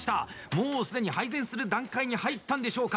もうすでに配膳する段階に入ったんでしょうか。